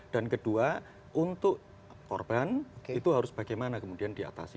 dan kedua untuk korban itu harus bagaimana kemudian diatasi